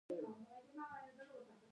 کچړي د وریجو او ماشو ګډ خواړه دي.